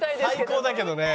最高だけどね。